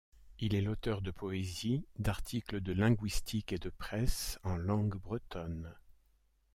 Il est l'auteur de poésies, d'articles de linguistique et de presse en langue bretonne.